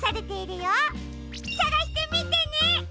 さがしてみてね！